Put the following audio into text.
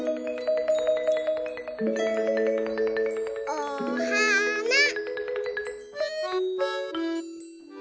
おはな。